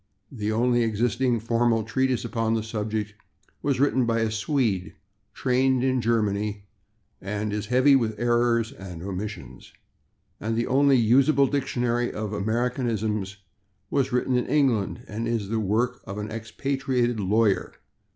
The only existing formal treatise upon the subject was written by a Swede trained in Germany and is heavy with errors and omissions. And the only usable dictionary of Americanisms was written in England, and is the work of an expatriated lawyer.